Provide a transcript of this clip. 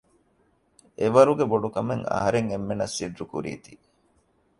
އެވަރުގެ ބޮޑުކަމެއް އަހަރެން އެންމެންނަށް ސިއްރުކުރީތީ